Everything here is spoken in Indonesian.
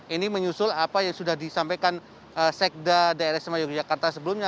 ini menyusul apa yang sudah disampaikan sekda daerah isma yogyakarta sebelumnya